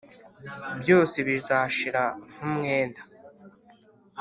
byose bizashira nk umwenda